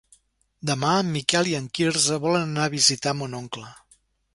Demà en Miquel i en Quirze volen anar a visitar mon oncle.